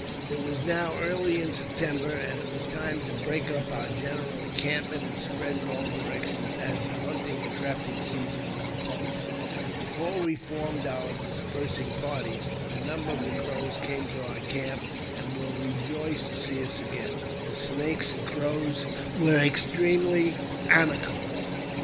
It was now early in September, and it was time to break u| our general encampment, and spread in all directions, as th« hunting and trapping season was upon us. Before we formec our dispersing parties, a number of the Crows came to oi camp, and were rejoiced to see us again. The Snakes an< Crows were extremely amicable.